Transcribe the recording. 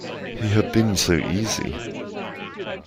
He had been so easy.